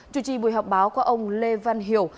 chủ trì buổi họp báo có ông lê văn hiểu